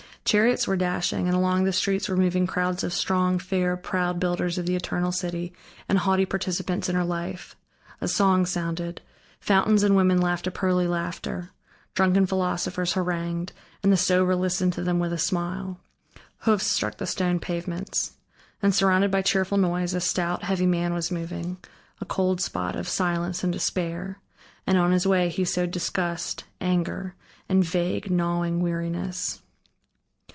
Chariots were dashing, and along the streets were moving crowds of strong, fair, proud builders of the eternal city and haughty participants in her life; a song sounded; fountains and women laughed a pearly laughter; drunken philosophers harangued, and the sober listened to them with a smile; hoofs struck the stone pavements. And surrounded by cheerful noise, a stout, heavy man was moving, a cold spot of silence and despair, and on his way he sowed disgust, anger, and vague, gnawing weariness.